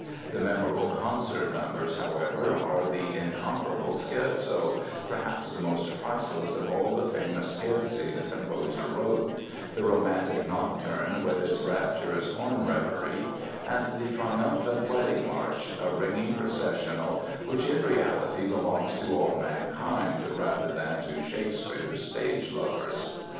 The memorable concert numbers, however, are the incomparable Scherzo—perhaps the most priceless of all the famous scherzi the composer wrote; the romantic Nocturne, with its rapturous horn revery, and the triumphant Wedding March, a ringing processional which, in reality, belongs to all mankind rather than to Shakespeare's stage lovers.